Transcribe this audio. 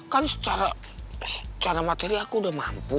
kan secara materi aku udah mampu